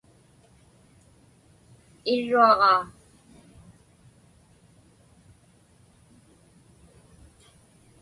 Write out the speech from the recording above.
Irruaġaa.